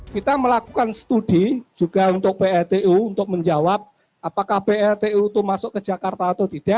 kita melakukan studi juga untuk pltu untuk menjawab apakah pltu itu masuk ke jakarta atau tidak